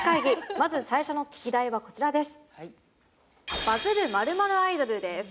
まず最初の議題はこちらです。